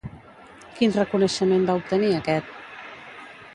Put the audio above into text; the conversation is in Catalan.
Quin reconeixement va obtenir aquest?